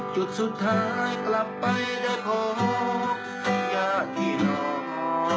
จุดสุดท้ายกลับไปได้พบยาที่น้อง